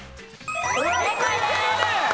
正解です。